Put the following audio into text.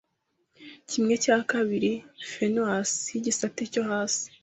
kimwe cya kabiri Fenouil y’igisate cyo hasi